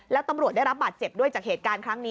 แล้วตำรวจได้รับบาดเจ็บด้วยจากเหตุการณ์ครั้งนี้